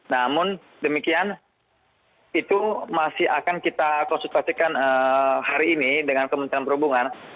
namun demikian itu masih akan kita konsultasikan hari ini dengan kementerian perhubungan